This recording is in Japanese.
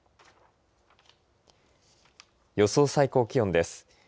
予想最高気温です。